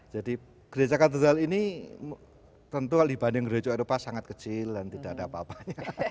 jadi gereja katedral ini tentu dibanding gereja eropa sangat kecil dan tidak ada apa apanya